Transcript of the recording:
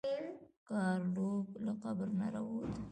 ګارلوک له قبر نه راووت.